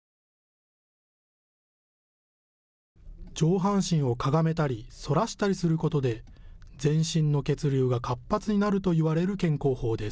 上半身をかがめたり反らしたりすることで全身の血流が活発になるといわれる健康法です。